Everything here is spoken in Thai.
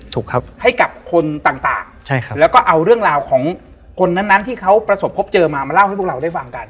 ถูกครับให้กับคนต่างใช่ครับแล้วก็เอาเรื่องราวของคนนั้นที่เขาประสบพบเจอมามาเล่าให้พวกเราได้ฟังกัน